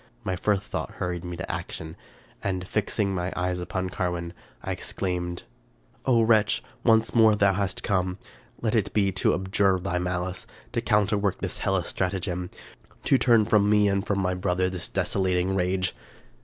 My first thought hur ried me to action, and, fixing my eyes upon Carwin, I exclaimed, —" O wretch ! once more hast thou come ? Let it be to abjure thy malice ; to counterwork this hellish stratagem ; to turn from me and from my brother this desolating rage